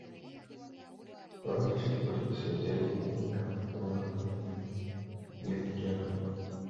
Lwaki poliisi etera okulumya abantu nga bali mu mirimu gyabwe?